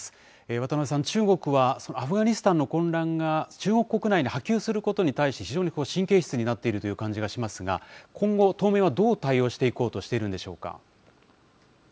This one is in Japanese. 渡辺さん、中国はアフガニスタンの混乱が中国国内に波及することに対し、非常に神経質になっているという感じがしますが、今後、当面はどう対応していこうとしているんでしょうか。